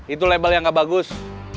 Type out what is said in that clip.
itu label yang gak bagus